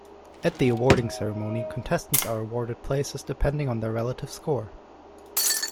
At the awarding ceremony, contestants are awarded places depending on their relative total score.